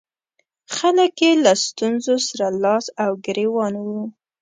خلک یې له ستونزو سره لاس او ګرېوان وو.